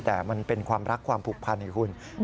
แต่มันเป็นความรักความผูกพันให้คุณ